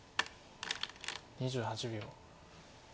２８秒。